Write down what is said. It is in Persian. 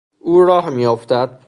او راه میافتد.